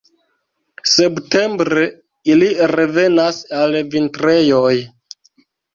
Septembre ili revenas al vintrejoj.